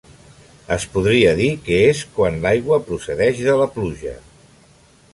Es podria dir que és quan l'aigua procedeix de la pluja.